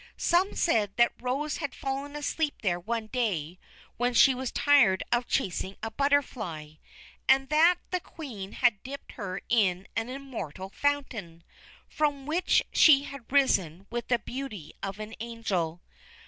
Some said that Rose had fallen asleep there one day when she was tired of chasing a butterfly, and that the Queen had dipped her in an Immortal Fountain, from which she had risen with the beauty of an angel.